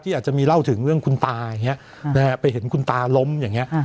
ที่อาจจะมีเล่าถึงเรื่องคุณตาอย่างเงี้ยอ่าไปเห็นคุณตาล้มอย่างเงี้ยอ่า